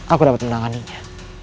aku dapat menanganinya